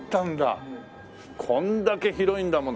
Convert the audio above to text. こんだけ広いんだもん。